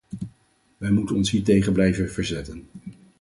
Wij moeten ons hiertegen blijven verzetten.